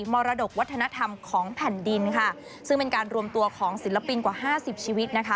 มรดกวัฒนธรรมของแผ่นดินค่ะซึ่งเป็นการรวมตัวของศิลปินกว่าห้าสิบชีวิตนะคะ